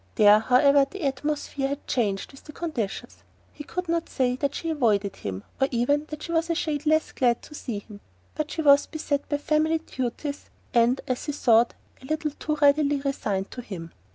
There, however, the atmosphere had changed with the conditions. He could not say that she avoided him, or even that she was a shade less glad to see him; but she was beset by family duties and, as he thought, a little too readily resigned to them.